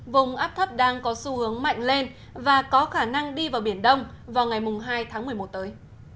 vùng áp thấp đang có xu hướng mạnh lên và có khả năng đi vào biển đông vào ngày hai tháng một mươi một tới